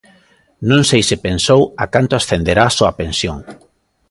Non sei se pensou a canto ascenderá a súa pensión.